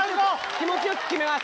気持ちよく決めます。